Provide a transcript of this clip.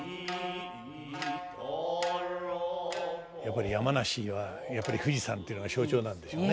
やっぱり山梨には富士山というのが象徴なんでしょうね。